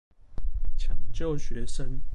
搶救學生